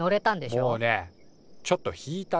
もうねちょっと引いたね。